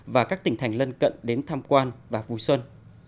và các tỉnh thành lân cận đến tham quan và vui xuân